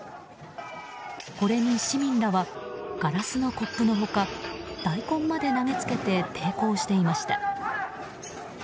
これに市民らはガラスのコップの他大根まで投げつけて抵抗していました。